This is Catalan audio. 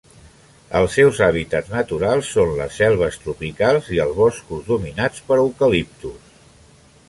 Els seus hàbitats naturals són les selves tropicals i els boscos dominats per eucaliptus.